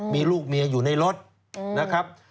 มีลูกเมียอยู่ในรถนะครับ